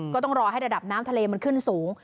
ก็ต้องรอให้ระดับน้ำทะเลมันขึ้นสูง